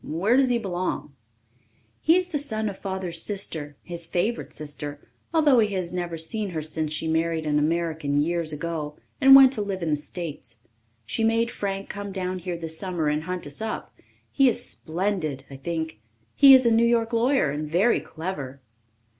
"Where does he belong?" "He is the son of Father's sister his favourite sister, although he has never seen her since she married an American years ago and went to live in the States. She made Frank come down here this summer and hunt us up. He is splendid, I think. He is a New York lawyer and very clever."